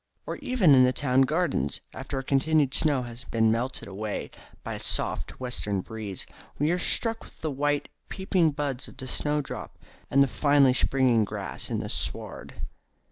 Or even in the town gardens, after a continued snow has been melted away by a soft, western breeze, we are struck with the white, peeping buds of the snowdrop and the finely springing grass in the sward.